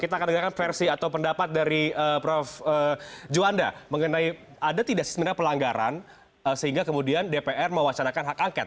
kita akan dengarkan versi atau pendapat dari prof juwanda mengenai ada tidak sih sebenarnya pelanggaran sehingga kemudian dpr mewacanakan hak angket